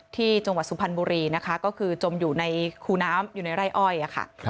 จังหวัดสุพรรณบุรีนะคะก็คือจมอยู่ในคูน้ำอยู่ในไร่อ้อยค่ะ